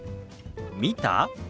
「見た？」。